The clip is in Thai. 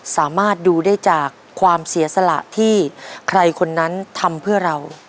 สามารถดูได้จากความเสียสละที่ใครคนนั้นทำเพื่อเรา